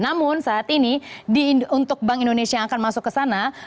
namun saat ini untuk bank indonesia yang akan masuk ke sana